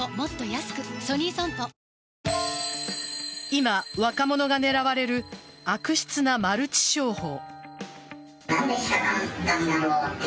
今、若者が狙われる悪質なマルチ商法。